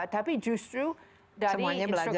tapi justru dari instruksi lewat internet